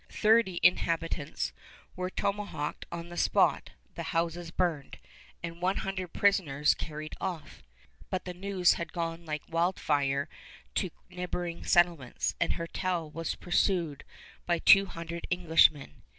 Thirty inhabitants were tomahawked on the spot, the houses burned, and one hundred prisoners carried off; but news had gone like wildfire to neighboring settlements, and Hertel was pursued by two hundred Englishmen.